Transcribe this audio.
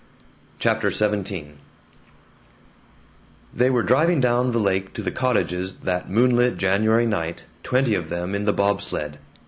CHAPTER XVII I THEY were driving down the lake to the cottages that moonlit January night, twenty of them in the bob sled.